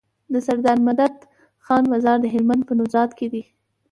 دسردار مدد خان مزار د هلمند په نوزاد کی دی